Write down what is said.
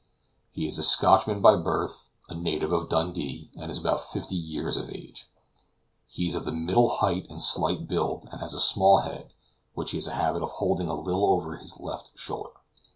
He is a Scotchman by birth, a native of Dundee, and is about fifty years of age. He is of the middle height and slight build, and has a small head, which he has a habit of holding a little over his left shoulder.